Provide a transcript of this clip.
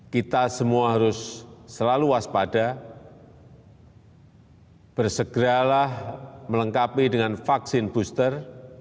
kita semua harus selalu waspada bersegeralah melengkapi dengan vaksin booster